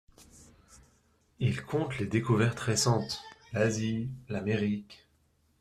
Ils content les découvertes récentes, l'Asie, l'Amérique.